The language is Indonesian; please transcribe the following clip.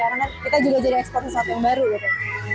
karena kita juga jadi ekspert di suatu yang baru gitu